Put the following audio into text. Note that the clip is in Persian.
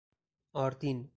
آردین